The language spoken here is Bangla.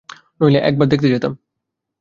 নইলে একবার দেখতে যেতাম।